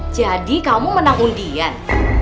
jadi kamu menang undian